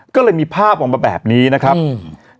ก็เลยมีภาพออกมาแบบนี้นะครับอืม